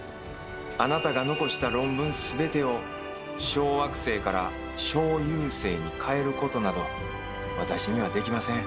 あなたが残した論文全てを「小惑星」から「小遊星」に変えることなど私にはできません。